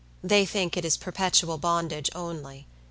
They think it is perpetual bondage only.